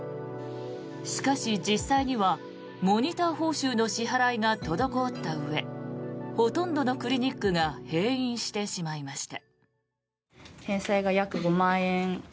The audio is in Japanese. しかし、実際にはモニター報酬の支払いが滞ったうえほとんどのクリニックが閉院してしまいました。